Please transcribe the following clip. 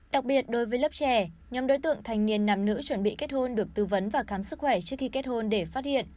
đặc biệt đối với lớp trẻ nhóm đối tượng thành niên nam nữ chuẩn bị kết hôn được tư vấn và khám sức khỏe trước khi kết hôn để phát hiện